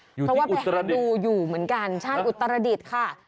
เพราะว่าไปดูอยู่เหมือนกันใช่อุตรดิษฐ์ค่ะ